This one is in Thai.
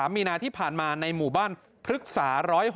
มีนาที่ผ่านมาในหมู่บ้านพฤกษา๑๖